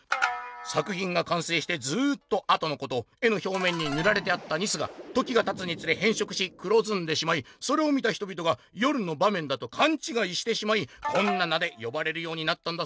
「作ひんがかんせいしてずっとあとのこと絵のひょうめんにぬられてあったニスが時がたつにつれへん色し黒ずんでしまいそれを見た人びとが夜の場面だと勘違いしてしまいこんな名で呼ばれるようになったんだそうな」。